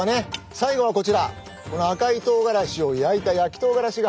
最後はこちらこの赤いとうがらしを焼いた焼きとうがらしが。